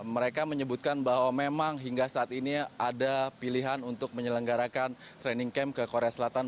mereka menyebutkan bahwa memang hingga saat ini ada pilihan untuk menyelenggarakan training camp ke korea selatan